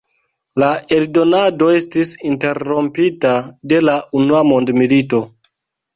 La eldonado estis interrompita de la Unua Mondmilito.